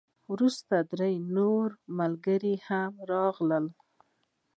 وروسته درې نور ملګري هم راغلل.